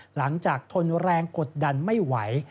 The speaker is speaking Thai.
หลังจากทนแรงกดดันไม่ไหว